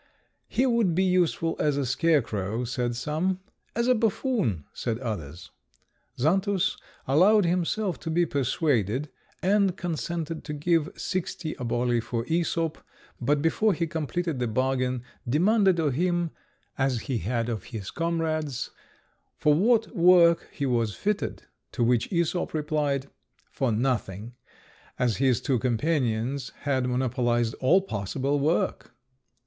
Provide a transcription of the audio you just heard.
He would be useful as a scarecrow, said some; as a buffoon, said others. Xantus allowed himself to be persuaded, and consented to give sixty oboli for Æsop, but before he completed the bargain demanded of him, as he had of his comrades, for what work he was fitted; to which Æsop replied, "For nothing, as his two companions had monopolised all possible work."